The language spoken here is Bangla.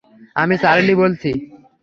আমি চার্লি বলছি।